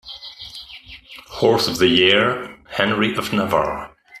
Horse of the Year, Henry of Navarre.